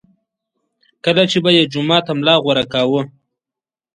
کله چې به یې جومات ته ملا غوره کاوه.